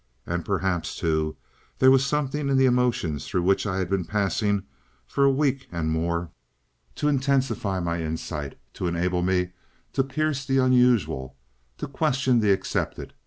And perhaps, too, there was something in the emotions through which I had been passing for a week and more, to intensify my insight, to enable me to pierce the unusual, to question the accepted.